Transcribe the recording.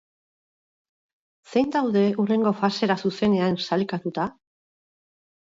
Zein daude hurrengo fasera zuzenean sailkatuta?